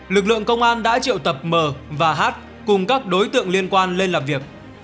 lực lượng công an đã triệu tập m và h cùng các đối tượng liên quan lên làm việc